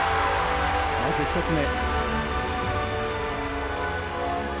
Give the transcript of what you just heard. まず１つ目。